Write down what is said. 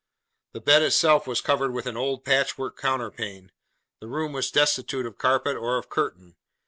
The bed itself was covered with an old patch work counterpane. The room was destitute of carpet or of curtain.